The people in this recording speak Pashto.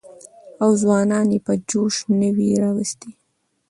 او ځوانان يې په جوش نه وى راوستي.